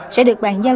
sẽ được bàn giao